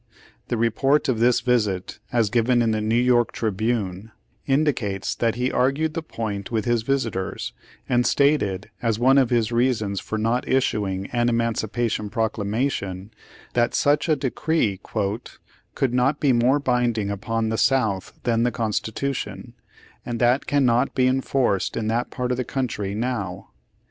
The re port of this visit, as given in the Neiv York Tribune, indicates that he argued the point with his visitors, and stated as one of his reasons for not issuing an emancipation proclamation that such a decree "could not be more binding upon the South than the Constitution, and that cannot be enforced in that paii: of the country now."